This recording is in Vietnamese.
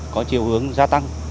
có chiều hướng gia tăng